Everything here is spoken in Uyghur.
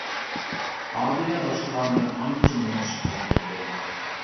ئادىلە باشقىلار بىلەن ئانچە مۇڭدىشىپ كەتمەيتتى.